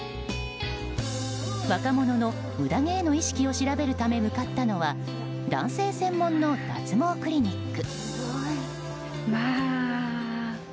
若者の無駄毛への意識を調べるため向かったのは男性専門の脱毛クリニック。